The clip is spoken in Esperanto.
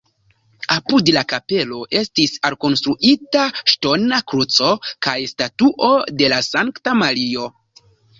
Apud la kapelo estis alkonstruita ŝtona kruco kaj statuo de la sankta Mario.